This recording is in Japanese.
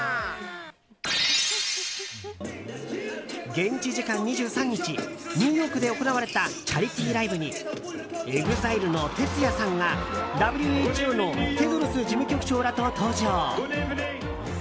現地時間２３日ニューヨークで行われたチャリティーライブにＥＸＩＬＥのＴＥＴＳＵＹＡさんがＷＨＯのテドロス事務局長らと登場。